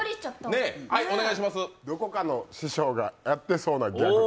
どこかの師匠がやってそうなギャグ。